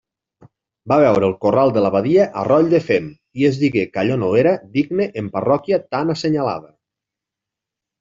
Va veure el corral de l'abadia a roll de fem i es digué que allò no era digne en parròquia tan assenyalada.